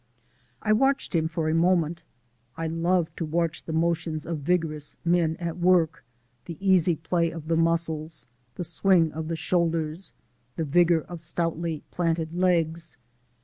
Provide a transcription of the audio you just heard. I watched him for a moment. I love to watch the motions of vigorous men at work, the easy play of the muscles, the swing of the shoulders, the vigour of stoutly planted legs.